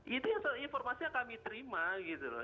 itu informasi yang kami terima gitu loh